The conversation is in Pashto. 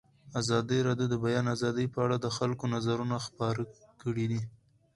ازادي راډیو د د بیان آزادي په اړه د خلکو نظرونه خپاره کړي.